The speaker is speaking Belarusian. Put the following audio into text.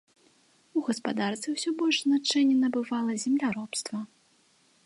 У гаспадарцы ўсё большае значэнне набывала земляробства.